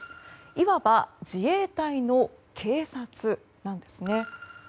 いわば、自衛隊の警察なんですね。